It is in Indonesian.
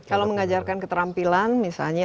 kalau mengajarkan keterampilan misalnya